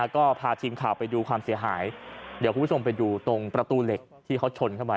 ก็พาทีมข่าวไปดูความเสียหายเดี๋ยวคุณผู้ชมไปดูตรงประตูเหล็กที่เขาชนเข้าไป